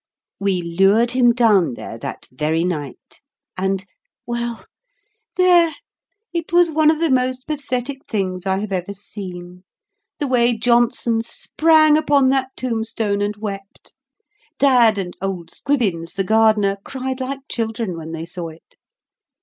We lured him down there that very night; and well, there, it was one of the most pathetic things I have ever seen, the way Johnson sprang upon that tombstone and wept. Dad and old Squibbins, the gardener, cried like children when they saw it.